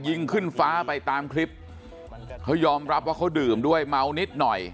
ยิงขึ้นฟ้าไปตามคลิปเขายอมรับว่าเขาดื่มด้วยเมานิดหน่อย